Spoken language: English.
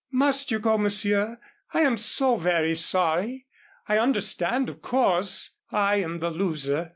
"Must you go, Monsieur? I am so very sorry. I understand, of course. I am the loser."